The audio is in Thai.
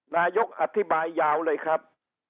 นายกอธิบายยาวเลยครับ